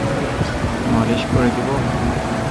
মালিশ করে দিবো?